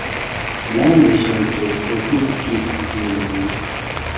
La loĝantoj produktis vinon.